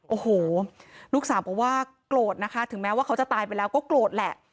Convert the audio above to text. โอ้โหลูกสาวบอกว่าโกรธนะคะถึงแม้ว่าเขาจะตายไปแล้วก็โกรธแหละ